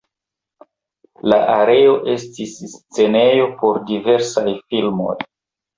La areo estis scenejo por diversaj filmoj.